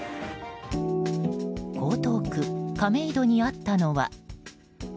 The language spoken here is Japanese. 江東区亀戸にあったのは。